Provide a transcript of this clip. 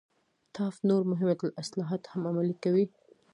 ټافت نور مهم اصلاحات هم عملي کړل.